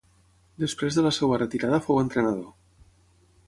Després de la seva retirada fou entrenador.